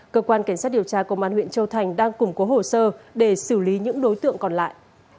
cơ quan cảnh sát điều tra công an huyện châu thành đang củng cố hồ sơ để xử lý những đối tượng còn lại